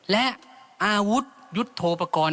และอาวุธยุทธโทปกรณ์